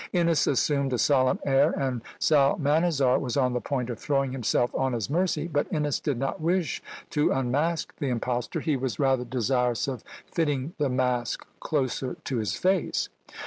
Innes assumed a solemn air, and Psalmanazar was on the point of throwing himself on his mercy, but Innes did not wish to unmask the impostor; he was rather desirous of fitting the mask closer to his face.